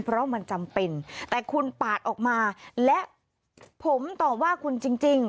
เพราะมันจำเป็นแต่คุณปาดออกมาและผมตอบว่าคุณจริง